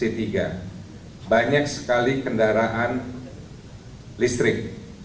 karena banyak sekali kendaraan listrik